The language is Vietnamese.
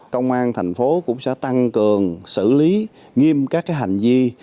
công an thành phố cũng sẽ tăng cường xử lý nghiêm các hành vi